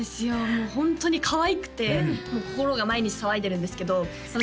もうホントにかわいくて心が毎日騒いでるんですけど私